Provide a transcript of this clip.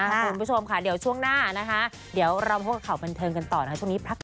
คุณผู้ชมค่ะเดี๋ยวช่วงหน้านะคะเดี๋ยวพวกเราบรรเทิงกันต่อนะคะ